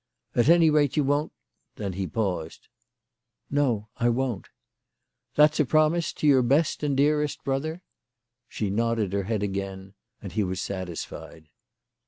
" At any rate you won't " Then he paused. " No, I won't." " That's a promise to your best and dearest brother ?" She nodded her head again, and he was satisfied.